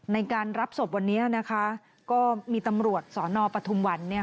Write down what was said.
ในการรับศพวันนี้ก็มีตำรวจสนปทุมวัน